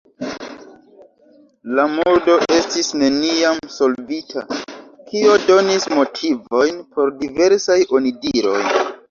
La murdo estis neniam solvita, kio donis motivojn por diversaj onidiroj.